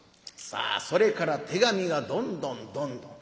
さあそれから手紙がどんどんどんどん。